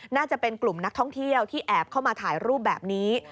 น่าจะเป็นกลุ่มนักท่องเที่ยวที่แอบเข้ามาถ่ายรูปแบบนี้